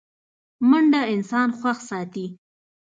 منډه انسان خوښ ساتي